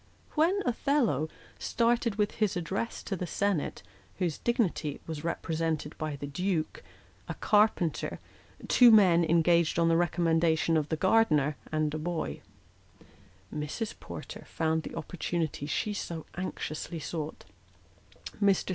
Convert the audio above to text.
When Othello started with his address to the Senate (whose dignity was represented by, the Duke, a carpenter, two men engaged on the recommendation of the Uncle Tom obligingly prompts. 325 gardener, and a boy), Mrs. Porter found the opportunity she so anxiously sought. Mr.